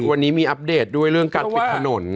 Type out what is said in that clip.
วันนี้มีอัปเดตด้วยเรื่องการปิดถนน